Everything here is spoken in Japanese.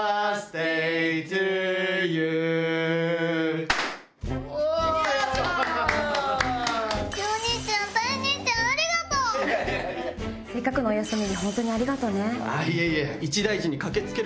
せっかくのお休みに本当にありがとね。